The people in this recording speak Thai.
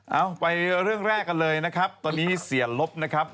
เอาไปเรื่องแรกกันเลยนะครับตอนนี้เสียลบนะครับ